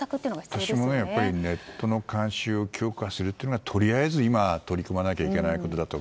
私もネットの監視を強化するというのはとりあえず今取り組まないといけないことだと。